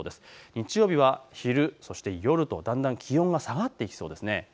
日曜日は昼、夜とだんだん気温が下がってきそうです。